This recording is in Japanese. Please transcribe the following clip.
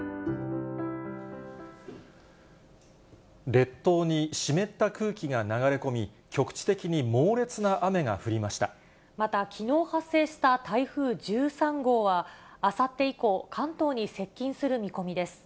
列島に湿った空気が流れ込み、また、きのう発生した台風１３号は、あさって以降、関東に接近する見込みです。